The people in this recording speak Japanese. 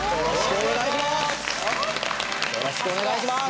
よろしくお願いします。